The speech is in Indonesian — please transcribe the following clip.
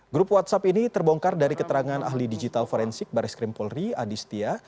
grup whatsapp ini terbongkar dari keterangan ahli digital forensik baris krimpolri adi setia